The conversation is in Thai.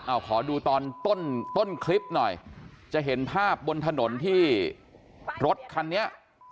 เอาขอดูตอนต้นต้นคลิปหน่อยจะเห็นภาพบนถนนที่รถคันนี้